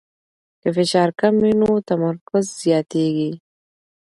که فشار کم وي نو تمرکز زیاتېږي.